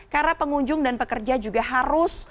karena pengunjung dan pekerja juga harus